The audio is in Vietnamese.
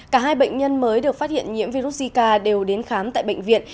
cả hai bệnh nhân mới được phát hiện nhiễm virus zika đều đến khám tại bệnh viện